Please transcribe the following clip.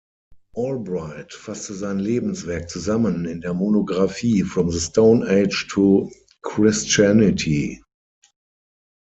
Albright fasste sein Lebenswerk zusammen in der Monographie "From the Stone Age to Christianity.